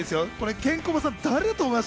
ケンコバさん、誰だと思います？